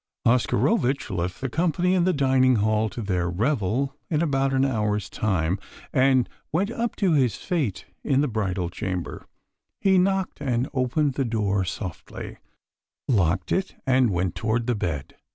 Oscarovitch left the company in the dining hall to their revel in about an hour's time, and went up to his fate in the bridal chamber. He knocked and opened the door softly: locked it, and went toward the bed.